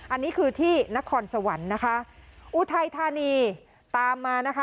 อันนี้คือที่นครสวรรค์นะคะอุทัยธานีตามมานะคะ